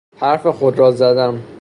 حرف خود را زدن